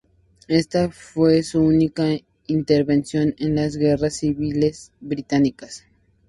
Esta fue su única intervención en las guerras civiles británicas.